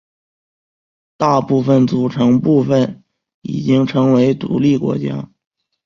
大部分组成部分已经成为独立国家。